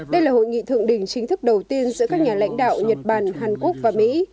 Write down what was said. đây là hội nghị thượng đỉnh chính thức đầu tiên giữa các nhà lãnh đạo nhật bản hàn quốc và mỹ